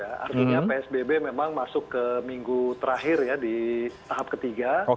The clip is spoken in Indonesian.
artinya psbb memang masuk ke minggu terakhir ya di tahap ketiga